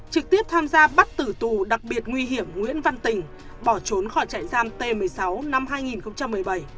trực tiếp tham gia bắt tử tù đặc biệt nguy hiểm nguyễn văn tình bỏ trốn khỏi trại giam t một mươi sáu năm hai nghìn một mươi bảy